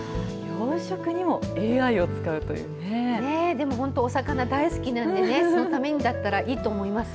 でも本当、お魚大好きなんでね、そのためにだったらいいと思います。